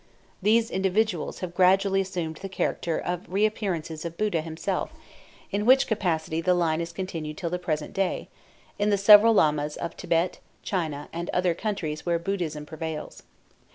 These individuals have gradually assumed the character of reappearances of Buddha himself, in which capacity the line is continued till the present day, in the several Lamas of Thibet, China, and other countries where Buddhism prevails.